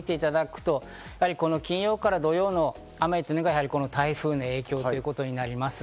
金曜から土曜の雨というのが台風の影響ということになります。